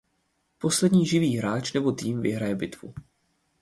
Poslední živý hráč nebo tým vyhraje bitvu.